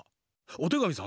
おてがみさん